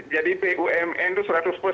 jadi bumn itu